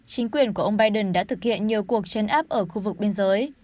chính quyền của ông biden đã thực hiện nhiều cuộc chấn áp ở khu vực biên giới